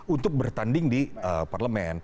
untuk bertanding di parlement